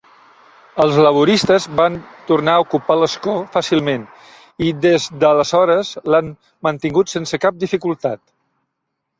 Els laboristes va tornar a ocupar l'escó fàcilment i des d'aleshores l'han mantingut sense cap dificultat.